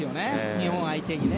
日本を相手にね。